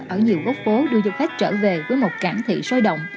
ở nhiều gốc phố đưa du khách trở về với một cảng thị sôi động